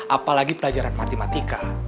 apalagi pelajaran matematika